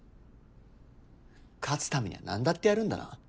勝つためには何だってやるんだな。